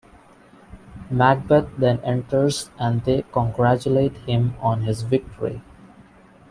Macbeth then enters and they congratulate him on his victory.